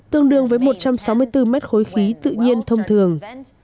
tương đương với một trăm sáu mươi bốn mét khối khí tự nhiên thông thường